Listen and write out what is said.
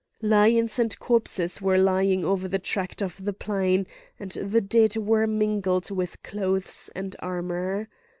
Lions and corpses were lying over the tract of the plain, and the dead were mingled with clothes and armour.